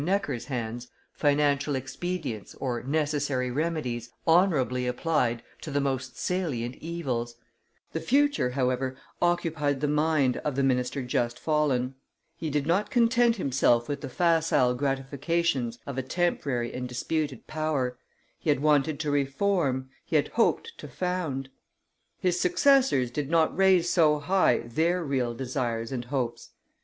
Necker's hands, financial expedients or necessary remedies, honorably applied to the most salient evils; the future, however, occupied the mind of the minister just fallen; he did not content himself with the facile gratifications of a temporary and disputed power, he had wanted to reform, he had hoped to found; his successors did not raise so high their real desires and hopes.